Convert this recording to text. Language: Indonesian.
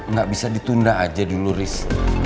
nggak bisa ditunda aja dulu risk